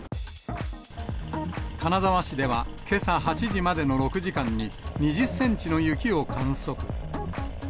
金沢市ではけさ８時までの６時間に２０センチの雪を観測。